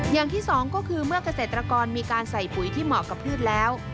อย่างที่สองก็คือเมื่อเกษตรกรมีการใส่ปุ๋ยที่เหมาะกับพืชแล้ว